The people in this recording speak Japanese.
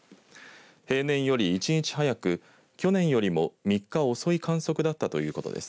平年より１日早く去年よりも３日遅い観測だったということです。